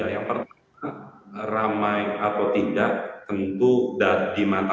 ya yang pertama ramai atau tidak tentu sudah dimantaukan